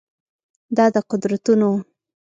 دا د قدرتونو